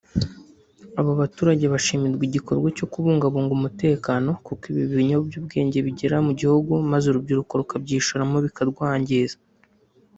Abo baturage bashimirwa igikorwa cyo kubungabunga umutekano kuko ibi biyobyabwenge bigera mu gihugu maze urubyiruko rukabyishoramo bikarwangiza